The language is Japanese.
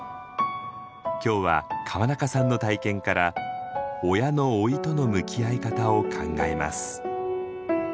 今日は川中さんの体験から親の老いとの向き合い方を考えます。